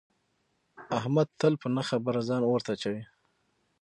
احمد تل په نه خبره ځان اور ته اچوي.